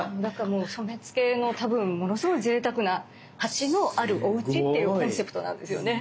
染付の多分ものすごいぜいたくな鉢のあるおうちっていうコンセプトなんですよね。